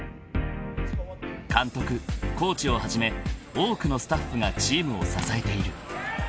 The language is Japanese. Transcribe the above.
［監督コーチをはじめ多くのスタッフがチームを支えている］